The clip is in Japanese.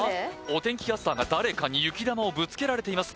お天気キャスターが誰かに雪玉をぶつけられています